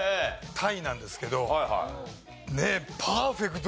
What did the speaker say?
タイなんですけどねえ。